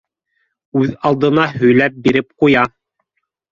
Үҙ алдына һөйләнә биреп ҡуя: